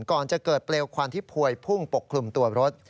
ก่อนจะเกิดเปลวควันที่พวยพุ่งปกคลุมตัวรถ